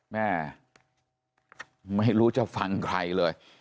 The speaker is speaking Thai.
แม่ไม่รู้จะฟังใครเลย